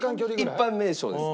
一般名称です。